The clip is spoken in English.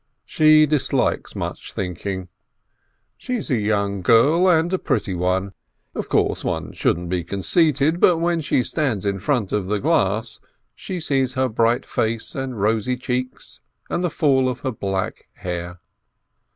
She dislikes much thinking. She is a young girl and a pretty one. Of course, one shouldn't be conceited, but when she stands in front of the glass, she sees her bright face and rosy cheeks and the fall of her black hair.